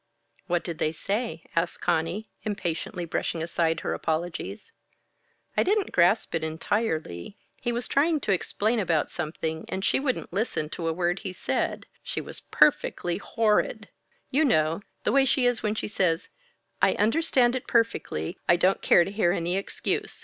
"What did they say?" asked Conny, impatiently brushing aside her apologies. "I didn't grasp it entirely. He was trying to explain about something, and she wouldn't listen to a word he said she was perfectly horrid. You know, the way she is when she says, 'I understand it perfectly. I don't care to hear any excuse.